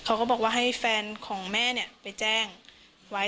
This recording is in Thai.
เขาก็บอกว่าให้แฟนของแม่เนี่ยไปแจ้งไว้